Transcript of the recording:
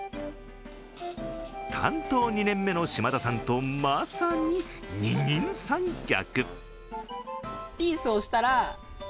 担当２年目の島田さんとまさに二人三脚。